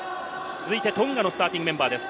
続いてトンガのスターティングメンバーです。